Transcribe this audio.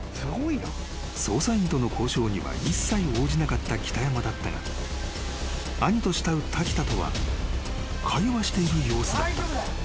［捜査員との交渉には一切応じなかった北山だったが兄と慕う滝田とは会話している様子だった］